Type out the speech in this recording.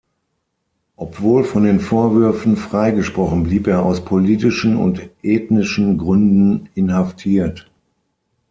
Obwohl von den Vorwürfen freigesprochen, blieb er aus politischen und ethnischen Gründen inhaftiert.